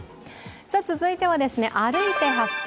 続いては「歩いて発見！